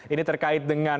ini terkait dengan